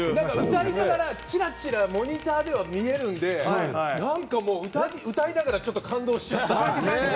歌いながらちらちらモニターでは見えるので歌いながら感動しちゃいました。